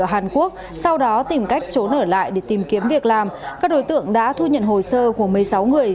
ở hàn quốc sau đó tìm cách trốn ở lại để tìm kiếm việc làm các đối tượng đã thu nhận hồ sơ của một mươi sáu người